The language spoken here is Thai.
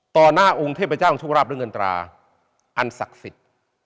หน้าองค์เทพเจ้าของโชคราบเรื่องเงินตราอันศักดิ์สิทธิ์